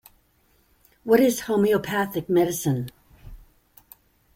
What is homeopathic medicine?